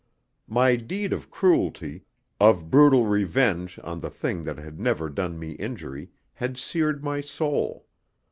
My deed of cruelty, of brutal revenge on the thing that had never done me injury, had seared my soul.